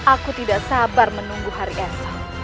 aku tidak sabar menunggu hari esok